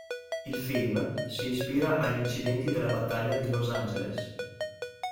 Il film si ispira agli incidenti della battaglia di Los Angeles.